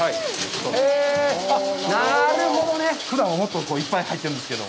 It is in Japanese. へぇ、なるほどね。ふだんは、もっといっぱい入ってるんですけど。